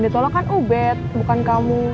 ditolak kan ubed bukan kamu